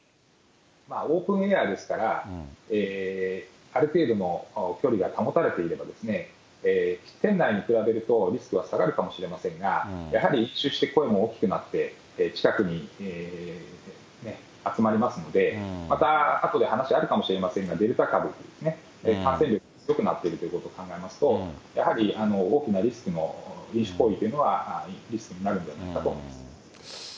オープンエリアですから、ある程度の距離が保たれていれば、店内に比べるとリスクは下がるかもしれませんが、やはり飲酒して声も大きくなって、近くに集まりますので、またあとで話あるかもしれませんが、デルタ株、感染力が強くなっているということを考えますと、やはり大きなリスクの、飲酒行為というのはリスクになるんではないかと思います。